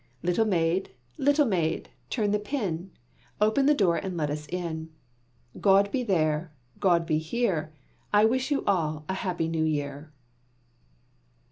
"Little maid, little maid, turn the pin, Open the door and let us in; God be there, God be here; I wish you all a Happy New Year."